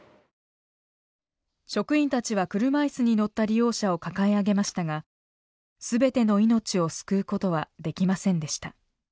職員たちは車いすに乗った利用者を抱え上げましたが全ての命を救うことはできませんでした。